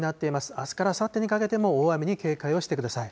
あすからあさってにかけても、大雨に警戒をしてください。